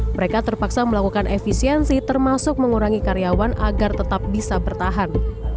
mereka terpaksa melakukan efisiensi termasuk mengurangi karyawan agar tetap bisa bertahan